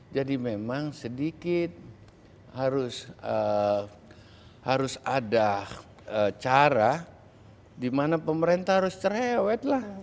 jadi memang sedikit harus ada cara di mana pemerintah harus terhewet lah